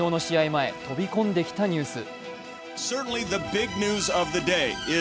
前、飛び込んできたニュース。